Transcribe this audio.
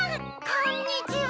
こんにちは。